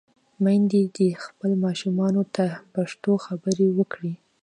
میندې دې خپلو ماشومانو ته پښتو خبرې وکړي.